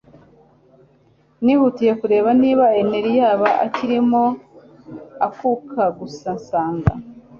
nihutiye kureba niba Henry yaba akirimo akuka gusa nsanga